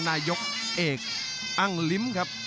นายกเอกอังลิ้มครับ